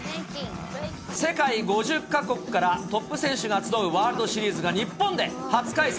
世界５０か国からトップ選手が集うワールドシリーズが日本で初開催。